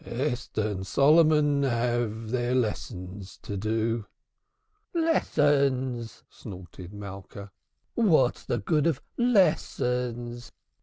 "Esther and Solomon have their lessons to do." "Lessons!" snorted Malka. "What's the good of lessons?